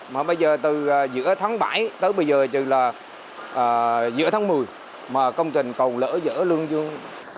mà bây giờ từ giữa tháng bảy tới bây giờ trừ là giữa tháng mười mà công trình cầu lỡ dỡ lương dương